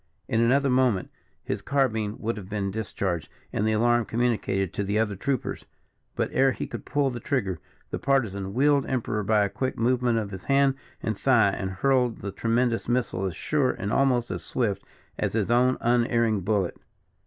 In another moment his carbine would have been discharged, and the alarm communicated to the other troopers; but ere he could pull the trigger, the Partisan wheeled Emperor by a quick movement of his hand and thigh, and hurled the tremendous missile as sure and almost as swift as his own unerring bullet.